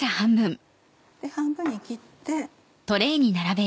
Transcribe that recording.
半分に切って。